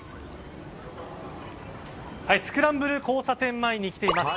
スクランブル交差点前に来ています。